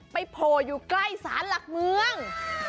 ไปโพอยู่ใกล้สารักเมือง